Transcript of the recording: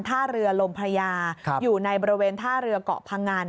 ท่าเรือลมพระยาอยู่ในบริเวณท่าเรือเกาะพงัน